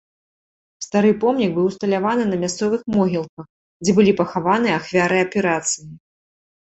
Стары помнік быў усталяваны на мясцовых могілках, дзе былі пахаваны ахвяры аперацыі.